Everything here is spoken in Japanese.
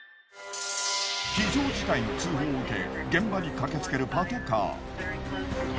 非常事態の通報を受け現場に駆け付けるパトカー。